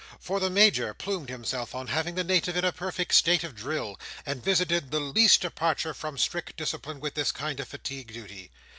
For the Major plumed himself on having the Native in a perfect state of drill, and visited the least departure from strict discipline with this kind of fatigue duty.